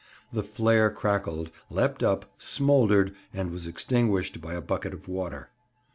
The flare crackled, leapt up, smouldered, and was extinguished by a bucket of water.